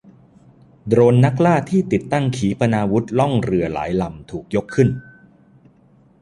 โดรนนักล่าที่ติดตั้งขีปนาวุธล่องเรือหลายลำถูกยกขึ้น